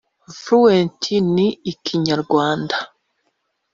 fluent in Kinyarwanda